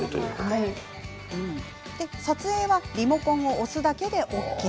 でも、撮影はリモコンを押すだけでＯＫ。